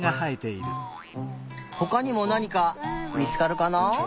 ほかにもなにかみつかるかな？